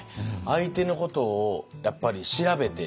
相手のことをやっぱり調べて。